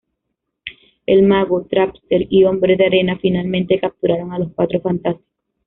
El Mago, Trapster y Hombre de Arena finalmente capturaron a los Cuatro Fantásticos.